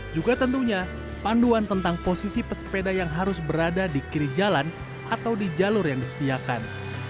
juga tentunya panduan tentang posisi pesepeda yang harus berada di kiri jalan atau di jalur yang disediakan